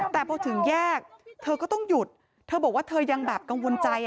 แต่พอถึงแยกเธอก็ต้องหยุดเธอบอกว่าเธอยังแบบกังวลใจ